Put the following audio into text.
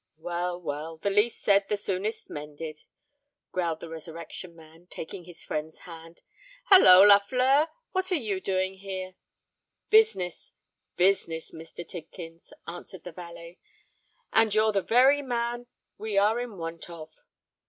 "Well, well—the least said, the soonest's mended," growled the Resurrection Man, taking his friend's hand. "Holloa, Lafleur! What are you doing here?" "Business—business, Mr. Tidkins," answered the valet; "and you're the very man we are in want of."